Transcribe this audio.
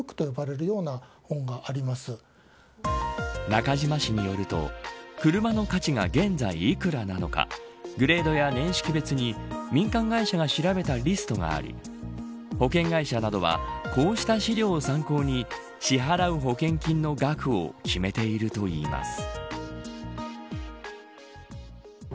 中島氏によると車の価値が、現在幾らなのかグレードや年式別に民間会社が調べたリストがあり保険会社などはこうした資料を参考に支払う保険金の額を決めているといいます。